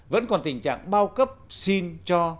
vẫn còn tình trạng bao cấp xin cho